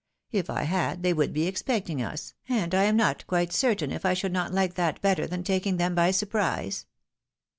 If I had, they would be expecting us, and I am not quite certain if I ^ould not like that better than taking them by surprise."